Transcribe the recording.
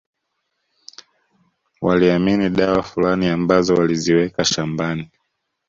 Waliamini dawa fulani ambazo waliziweka shambani